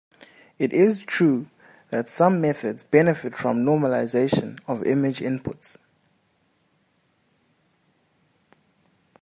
It is true that some methods benefit from normalization of image inputs.